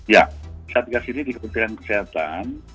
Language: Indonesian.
ya satgas ini di kementerian kesehatan